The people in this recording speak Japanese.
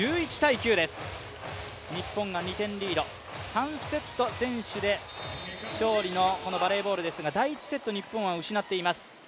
３セット先取で勝利のバレーボールですが第１セット、日本は失っています。